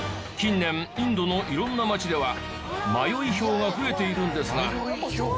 近年インドの色んな町では迷いヒョウが増えているんですが。